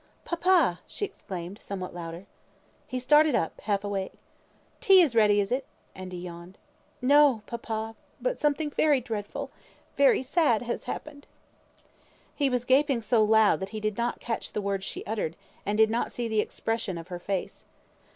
"Papa!" she exclaimed, somewhat louder. He started up, half awake. "Tea is ready, is it?" and he yawned. "No! papa, but something very dreadful very sad, has happened!" He was gaping so loud that he did not catch the words she uttered, and did not see the expression of her face.